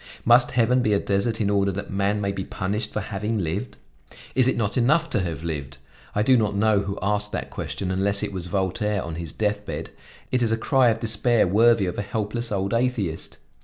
Must heaven be a desert in order that man may be punished for having lived? Is it not enough to have lived? I do not know who asked that question, unless it was Voltaire on his death bed; it is a cry of despair worthy of a helpless old atheist.